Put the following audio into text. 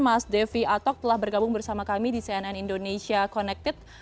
mas devi atok telah bergabung bersama kami di cnn indonesia connected